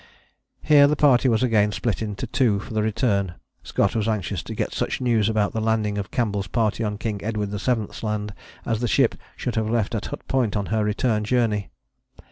Here the party was again split into two for the return. Scott was anxious to get such news about the landing of Campbell's party on King Edward VII.'s Land as the ship should have left at Hut Point on her return journey.